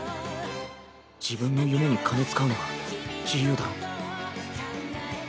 自分の夢に金使うのは自由だろ。